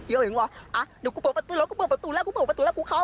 เดี๋ยวไปดูกัน